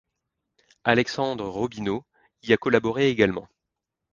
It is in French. Alexandre Robineau y a collaboré également.